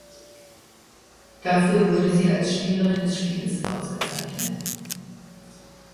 Dafür wurde sie als Spielerin des Spiels ausgezeichnet.